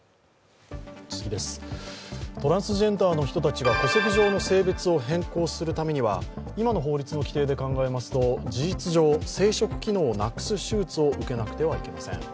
トランスジェンダーの人たちが戸籍上の性別を変更するためには今の法律の規定で考えますと事実上、生殖機能をなくす手術を受けなくてはいけません。